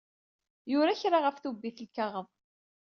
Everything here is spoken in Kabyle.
Yura kra ɣef tubbit n lkaɣeḍ.